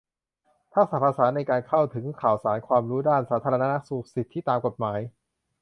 ทักษะภาษาในการเข้าถึงข่าวสาร ความรู้ด้านสาธารณสุข สิทธิตามกฎหมาย